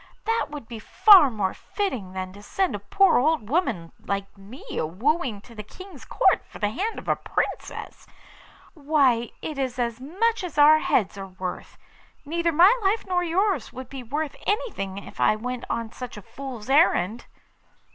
That would be far more fitting than to send a poor old woman like me a wooing to the King's Court for the hand of a Princess. Why, it is as much as our heads are worth. Neither my life nor yours would be worth anything if I went on such a fool's errand.